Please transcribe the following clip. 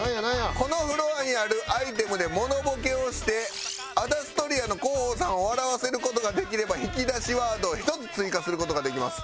このフロアにあるアイテムでモノボケをしてアダストリアの広報さんを笑わせる事ができれば引き出しワードを１つ追加する事ができます。